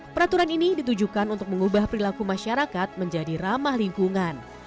peraturan ini ditujukan untuk mengubah perilaku masyarakat menjadi ramah lingkungan